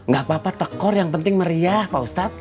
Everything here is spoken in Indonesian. gak apa apa tekor yang penting meriah pak ustadz